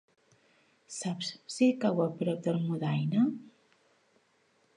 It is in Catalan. Saps si cau a prop d'Almudaina?